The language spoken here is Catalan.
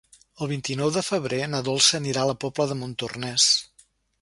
El vint-i-nou de febrer na Dolça anirà a la Pobla de Montornès.